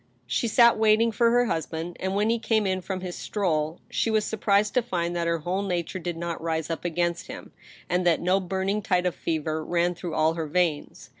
She sat waiting for her husband ; and, when he came in from his stroll, she was surprised to find that her whole nature did not rise up against him, and that no burning tide of fever ran through all her veins.